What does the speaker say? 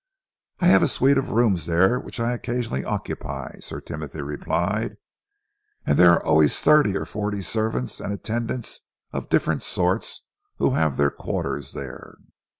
"I have a suite of rooms there which I occasionally occupy," Sir Timothy replied, "and there are always thirty or forty servants and attendants of different sorts who have their quarters there.